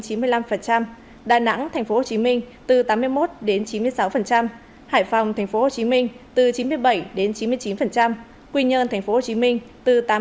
tp hcm đà nẵng từ tám mươi một đến chín mươi sáu tp hcm hải phòng từ chín mươi bảy đến chín mươi chín tp hcm quỳ nhơn từ tám mươi tám đến một trăm linh